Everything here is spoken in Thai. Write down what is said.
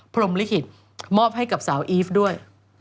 พรมลิขิตมอบให้กับสาวอีฟด้วย